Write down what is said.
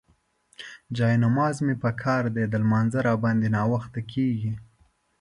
جاینماز مې پکار دی، د لمانځه راباندې ناوخته کيږي.